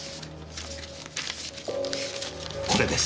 これです！